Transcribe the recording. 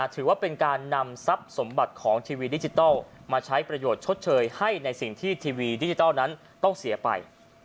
ถือว่าเป็นการนำทรัพย์สมบัติของทีวีดิจิทัลมาใช้ประโยชน์ชดเชยให้ในสิ่งที่ทีวีดิจิทัลนั้นต้องเสียไป